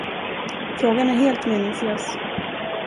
Frågan är helt meningslös.